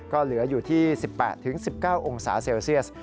ก็เหลืออยู่ที่๑๘๑๙องศาเซลเซียส